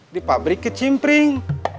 di pabrik ke cimpring